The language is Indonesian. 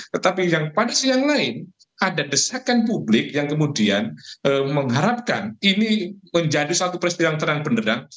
tetapi yang pada siang lain ada desakan publik yang kemudian mengharapkan ini menjadi satu peristiwa yang terang benderang